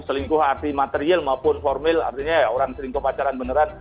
selingkuh arti material maupun formil artinya ya orang selingkuh pacaran beneran